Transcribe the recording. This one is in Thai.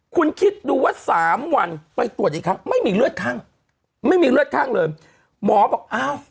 คุณคิดดูว่าสามวันไปตรวจอีกครั้งไม่มีเลือดข้างไม่มีเลือดข้างเลยหมอบอกอ้าว